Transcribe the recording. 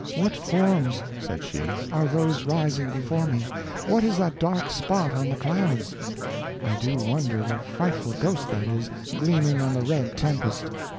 "What forms," said she, "are those rising before me? What is that dark spot on the clouds? I do wonder what frightful ghost that is, gleaming on the red tempest?